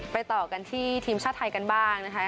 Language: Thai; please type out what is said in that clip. ต่อกันที่ทีมชาติไทยกันบ้างนะคะ